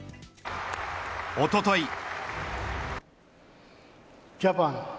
おととい。